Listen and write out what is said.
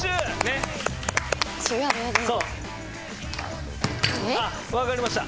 えっ。あっわかりました。